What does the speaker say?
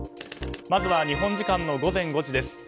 まずは、日本時間の午前５時です。